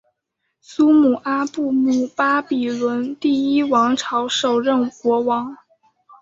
苏姆阿布姆巴比伦第一王朝首任国王。